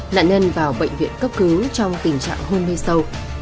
nạn nhân vào bệnh viện cấp cứu trong tình trạng hôn mê sâu